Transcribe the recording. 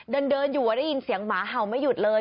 เดินอยู่ได้ยินเสียงหมาเห่าไม่หยุดเลย